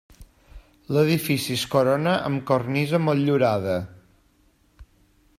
L'edifici es corona amb cornisa motllurada.